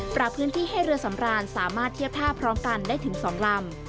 พื้นที่ให้เรือสำรานสามารถเทียบท่าพร้อมกันได้ถึง๒ลำ